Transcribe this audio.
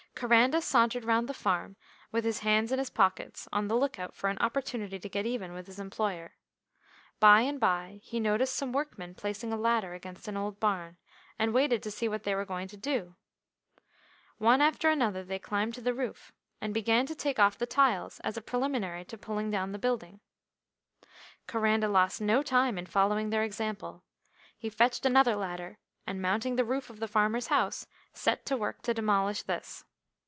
Coranda sauntered round the farm with his hands in his pockets on the look out for an opportunity to get even with his employer. By and by he noticed some workmen placing a ladder against an old barn, and waited to see what they were going to do. One after another they climbed to the roof, and began to take off the tiles as a preliminary to pulling down the building. ORANDA lost no time in following their example. He fetched another ladder, and mounting the roof of the farmer's house, set to work to demolish this.